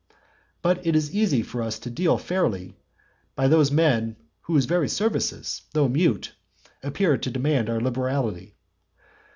But it is easy for us to deal fairly by those men whose very services, though mute, appear to demand our liberality.